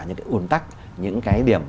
những cái ồn tắc những cái điểm